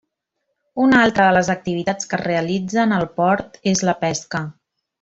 Una altra de les activitats que es realitzen al port és la pesca.